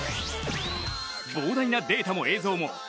膨大なデータも映像も「Ｓ☆１」